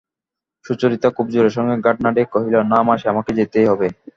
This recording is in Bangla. সুচরিতা খুব জোরের সঙ্গে ঘাড় নাড়িয়া কহিল, না মাসি, আমাকে যেতেই হবে।